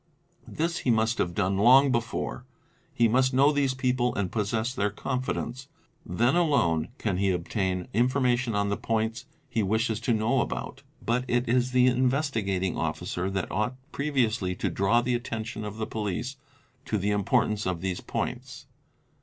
This he must have done long before, he must know these people and possess their confidence ;_ then alone can he obtain information on the points he wishes to know about. But it is the Investigating Officer that ought previously to draw the attention of the police to the importance of these points.